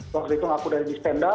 waktu itu ngaku dari dispenda